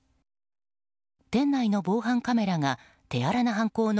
店内の防犯カメラが手荒な犯行の